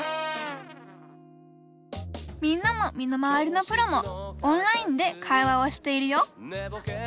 みんなの身の回りのプロもオンラインで会話をしているよ。